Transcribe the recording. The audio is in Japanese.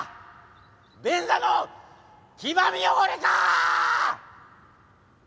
便座の黄ばみ汚れか！